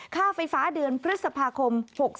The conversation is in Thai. ค่าไฟฟ้าเดือนพฤษภาคม๖๓